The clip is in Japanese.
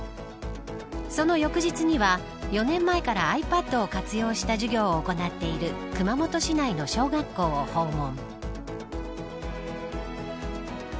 その翌日には４年前からｉＰａｄを活用した授業を行っている熊本市内の小学校を訪問。